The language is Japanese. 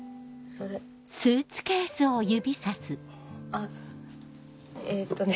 あっえっとね。